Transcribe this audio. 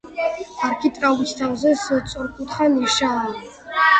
არქიტრავის თავზე სწორკუთხა ნიშაა.